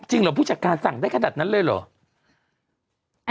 เหรอผู้จัดการสั่งได้ขนาดนั้นเลยเหรอ